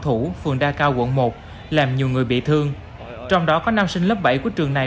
thủ phường đa cao quận một làm nhiều người bị thương trong đó có nam sinh lớp bảy của trường này